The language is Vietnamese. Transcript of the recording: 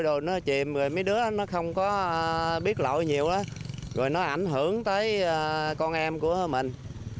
rồi nó chìm rồi mấy đứa nó không có biết lộ nhiều á rồi nó ảnh hưởng tới con em của mình